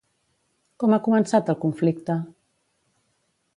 Com ha començat el conflicte?